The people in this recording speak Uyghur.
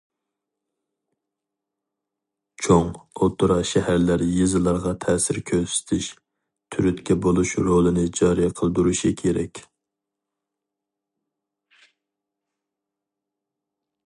چوڭ، ئوتتۇرا شەھەرلەر يېزىلارغا تەسىر كۆرسىتىش، تۈرتكە بولۇش رولىنى جارى قىلدۇرۇشى كېرەك.